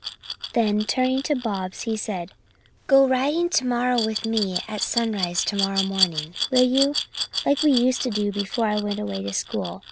Then, turning to Bobs, he said: "Go riding with me at sunrise tomorrow morning, will you, like we used to do before I went away to school.